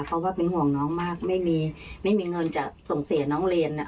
เพราะว่าเป็นห่วงน้องมากไม่มีไม่มีเงินจะส่งเสียน้องเรียน